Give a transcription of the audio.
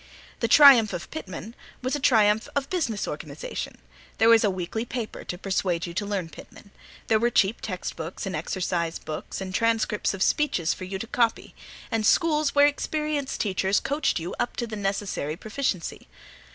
The triumph of Pitman was a triumph of business organization: there was a weekly paper to persuade you to learn Pitman: there were cheap textbooks and exercise books and transcripts of speeches for you to copy, and schools where experienced teachers coached you up to the necessary proficiency.